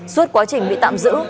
suốt quá trình bị tạm giữ